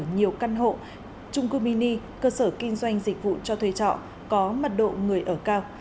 nhiều căn hộ trung cư mini cơ sở kinh doanh dịch vụ cho thuê trọ có mật độ người ở cao